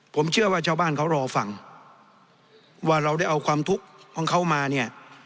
ผมเชื่อว่าชาวบ้านเขารอฟังว่าเราได้เอาความทุกข์ของเขามาเนี่ย